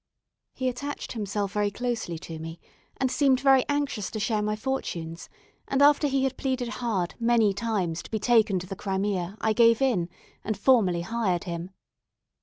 He attached himself very closely to me, and seemed very anxious to share my fortunes; and after he had pleaded hard, many times, to be taken to the Crimea, I gave in, and formally hired him.